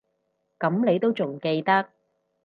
噉你都仲記得